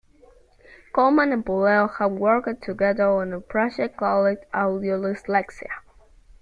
Coleman and Puleo have worked together on a project called Audio Dyslexia.